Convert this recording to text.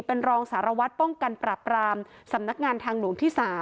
เป็นรองสารวัตรป้องกันปรับรามสำนักงานทางหลวงที่๓